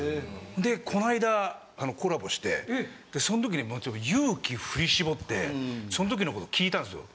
でこないだコラボしてそんときに勇気ふり絞ってそんときのこと聞いたんですよ。